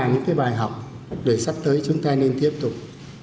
những cái bài học để sắp tới chúng ta nên tiếp tục